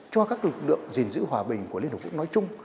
cho các lực lượng gìn giữ hòa bình của liên hợp quốc nói chung